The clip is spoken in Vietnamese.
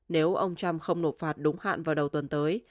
nếu ông trump không nộp phạt đúng hạn vào đầu tuần tới